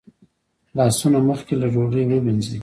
لاسونه مخکې له ډوډۍ ووینځئ